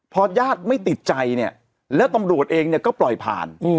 พอญาติไม่ติดใจแล้วตำรวจเองก็ปล่อยผ่าน